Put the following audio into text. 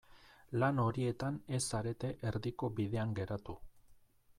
Lan horietan ez zarete erdiko bidean geratu.